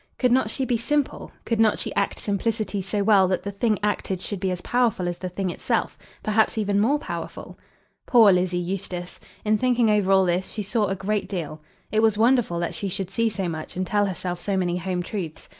Could not she be simple? Could not she act simplicity so well that the thing acted should be as powerful as the thing itself; perhaps even more powerful? Poor Lizzie Eustace! In thinking over all this, she saw a great deal. It was wonderful that she should see so much and tell herself so many home truths.